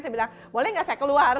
saya bilang boleh nggak saya keluar